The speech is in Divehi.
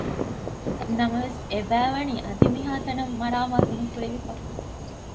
ނަމަވެސް އެބައިވަނީ އަދި މިހާތަނަށް މަރާމާތު ނުކުރެވިފަ